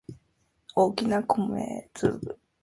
大きな米粒